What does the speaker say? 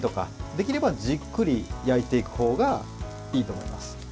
できればじっくり焼いていく方がいいと思います。